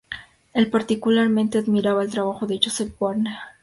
Él particularmente admiraba el trabajo de Joseph Wagner.